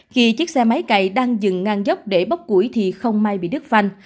khi chiếc xe máy cày đang dừng ngang dốc để bốc củi thì không may bị đứt phanh